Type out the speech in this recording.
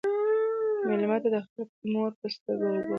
مېلمه ته د خپلې مور په سترګو وګوره.